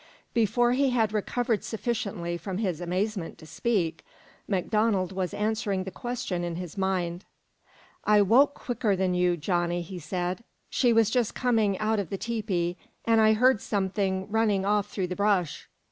Before he had recovered sufficiently from his amazement to speak, MacDonald was answering the question in his mind. "I woke quicker'n you, Johnny," he said. "She was just coming out of the tepee, an' I heard something running off through the brush.